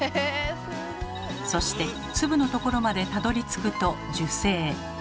そして粒のところまでたどりつくと受精。